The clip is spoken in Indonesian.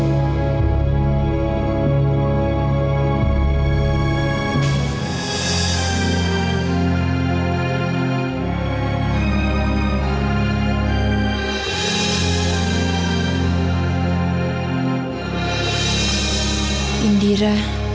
aku ingin tersentuh